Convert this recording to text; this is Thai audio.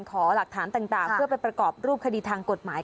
ขอหลักฐานต่างเพื่อไปประกอบรูปคดีทางกฎหมาย